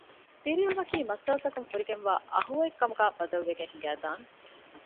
ދިރިއުޅުމަކީ މައްސަލަތަކުން ފުރިގެންވާ އަހުވައެއްކަމުގައި ބަދަލުވެގެން ހިނގައިދާނެ